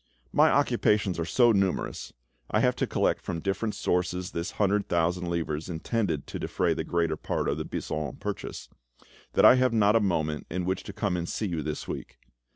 "My occupations are so numerous (I have to collect from different sources this hundred thousand livres intended to defray the greater part of the Buisson purchase) that I have not a moment in which to come and see you this week.